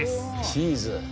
チーズ。